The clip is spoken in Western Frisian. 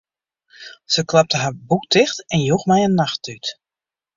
Se klapte har boek ticht en joech my in nachttút.